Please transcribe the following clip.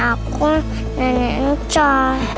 aku neneknya cah